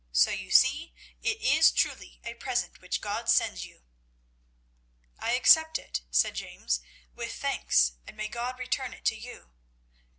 So you see it is truly a present which God sends you." "I accept it," said James, "with thanks, and may God return it to you.